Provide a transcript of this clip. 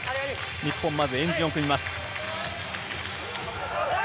日本、まず円陣を組みます。